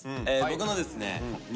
僕のですね